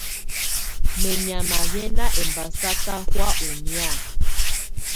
Mɛ̀nyàma yɛ̀ nà ɛmbasaka hɔ̀á ù nɛ̀́á.